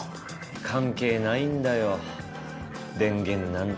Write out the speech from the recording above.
関係ないんだよ電源なんて。